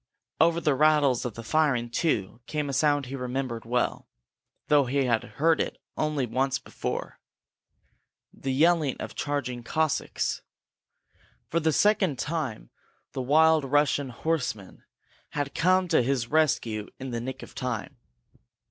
Over the rattle of the firing, too, came a sound he remembered well, though he had heard it only once before the yelling of charging Cossacks. For the second time the wild Russian horsemen had come to his rescue in the nick of time!